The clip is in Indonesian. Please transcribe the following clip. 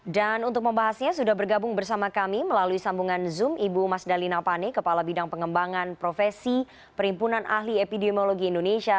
dan untuk membahasnya sudah bergabung bersama kami melalui sambungan zoom ibu mas dalina pane kepala bidang pengembangan profesi perimpunan ahli epidemiologi indonesia